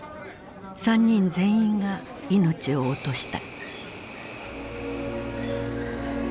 ３人全員が命を落とした。